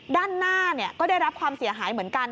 ด้านหน้าก็ได้รับความเสียหายเหมือนกัน